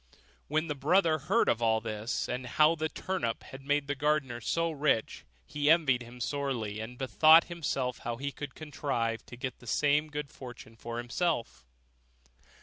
When the brother heard of all this, and how a turnip had made the gardener so rich, he envied him sorely, and bethought himself how he could contrive to get the same good fortune for himself.